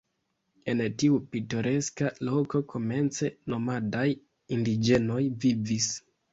En tiu pitoreska loko komence nomadaj indiĝenoj vivis.